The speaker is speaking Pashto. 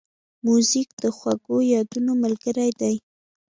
موزیک د خوږو یادونو ملګری دی.